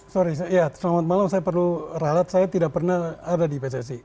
sorry ya selamat malam saya perlu ralat saya tidak pernah ada di pssi